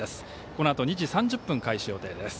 このあと２時３０分開始予定です。